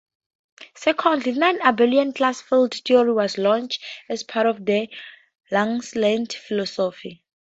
Secondly, non-abelian class field theory was launched as part of the Langlands philosophy.